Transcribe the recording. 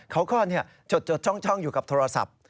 เขาก็จดช่องอยู่กับโทรศัพท์